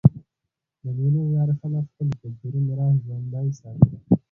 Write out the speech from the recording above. د مېلو له لاري خلک خپل کلتوري میراث ژوندى ساتي.